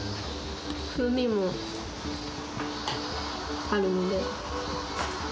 風味もあるので。